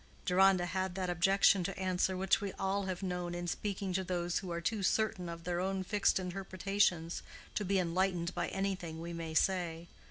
Deronda had that objection to answer which we all have known in speaking to those who are too certain of their own fixed interpretations to be enlightened by anything we may say.